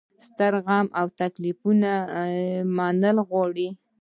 ستر زغم او د تکلیفونو منل غواړي.